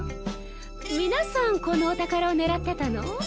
皆さんこのお宝を狙ってたの？